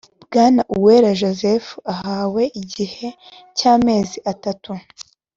Bwana uwera joseph ahawe igihe cy amezi atatu